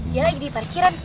dia lagi di parkiran